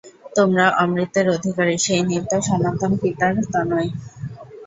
তোমরা অমৃতের অধিকারী, সেই নিত্য সনাতন পিতার তনয়।